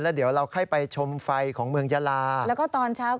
และเดี๋ยวเราค่อยไปชมไฟของเมืองยาลา